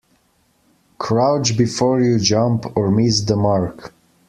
Crouch before you jump or miss the mark.